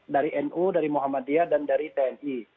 dari nu dari muhammadiyah dan dari tni